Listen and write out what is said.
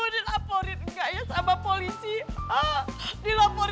gelapor namanya sama pengisi drugs